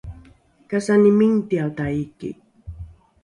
kasani mingtiao taiki